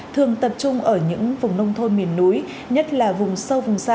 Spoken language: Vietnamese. thường tập trung ở những vùng nông thôn miền núi nhất là vùng sâu vùng xa